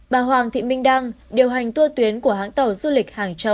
bà hoàng thị minh đăng điều hành tour tuyến của hãng tàu du lịch hàng châu